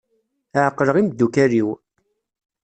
Ɛeqleɣ imeddukal-iw.